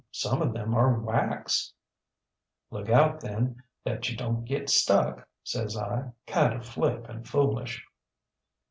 Some of them are wax. ŌĆÖ ŌĆ£ŌĆśLook out, then, that you donŌĆÖt get stuck, ŌĆÖ says I, kind of flip and foolish.